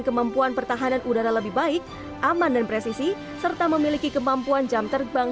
kemampuan pertahanan udara lebih baik aman dan presisi serta memiliki kemampuan jam terbang